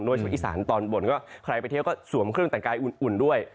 ด้วยเฉพาะอีสานส์ตอนบนใครไปเท้าก็สวมเครื่องแต่งกายอุ่นด้วย